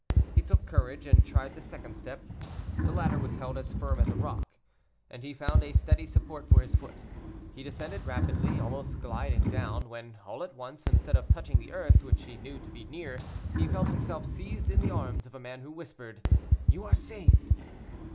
He took courage, and tried the second step. The ladder was held as firm as a rock, and he found a steady support for his foot. He descended rapidly, almost gliding down, when all at once, instead of touching the earth, which he knew to be near, he felt himself seized in the arms of a man who whispered, "You are saved."